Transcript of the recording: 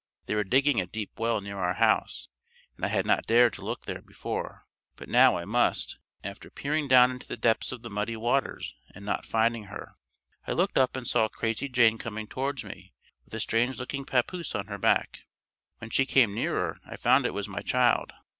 They were digging a deep well near our house and I had not dared to look there before, but now I must and after peering down into the depths of the muddy water and not finding her, I looked up and saw Crazy Jane coming towards me with a strange looking papoose on her back. When she came nearer I found it was my child.